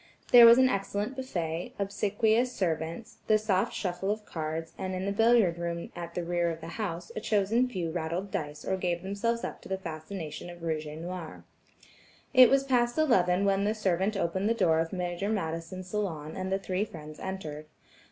There was an excellent buffet, obsequious servants, the soft shuffle of cards, and in the billiard room room at the rear of the house, a chosen few rattled dice or gave themselves up to the fascination of rouge et noir. It was past eleven when the servant opened the door of Major Madison's salon and the three friends entered.